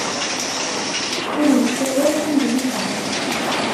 Ur nessawal tanglizit.